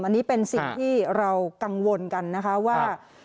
อันนี้เป็นสิ่งที่เรากังวลกันนะคะว่า